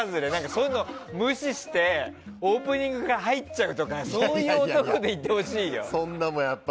そういうのを無視してオープニングから入っちゃうとかそういう男でいてほしいよ。